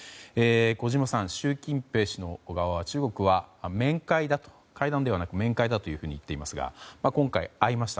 小島さん習近平氏側、中国側は会談ではなく面会だと言っていますが今回、会いました。